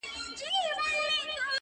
ته د سورشپېلۍ، زما په وجود کي کړې را پوُ